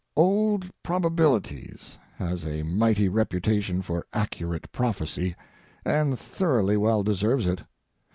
Old Probabilities has a mighty reputation for accurate prophecy, and thoroughly well deserves it.